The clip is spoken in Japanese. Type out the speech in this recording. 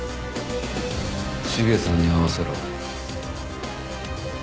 茂さんに会わせろ。